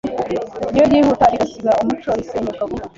iyo ryihuta rigasiga umuco risenyuka vuba.